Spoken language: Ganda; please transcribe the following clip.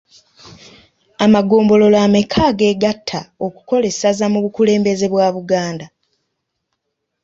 Amagombolola ameka ageegatta okukola essaza mu bukulembeze bwa Buganda?